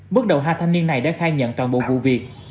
bước đầu hai thanh niên này đã khai nhận toàn bộ vụ việc